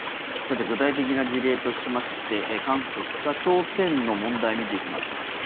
具体的な事例としまして韓国と北朝鮮の問題を見ていきましょうか。